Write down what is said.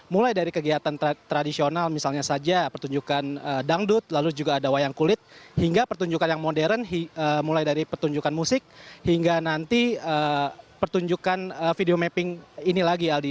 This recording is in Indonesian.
mulai dari kegiatan tradisional misalnya saja pertunjukan dangdut lalu juga ada wayang kulit hingga pertunjukan yang modern mulai dari pertunjukan musik hingga nanti pertunjukan video mapping ini lagi aldi